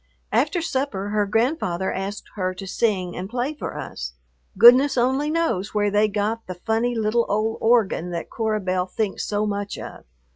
After supper her grandfather asked her to sing and play for us. Goodness only knows where they got the funny little old organ that Cora Belle thinks so much of.